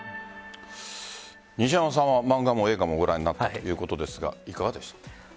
西山さんは漫画も映画もご覧になったということですがいかがでしたか？